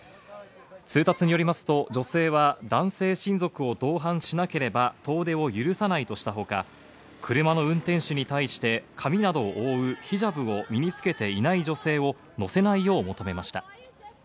通達によりますと、女性は男性親族を同伴しなければ遠出を許さないとしたほか、車の運転手に対して髪などを覆うヒジャブを身につけていない女性を乗せないよう求めました。